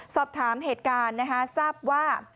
สอบถามเหตุการณ์นะคะทราบว่า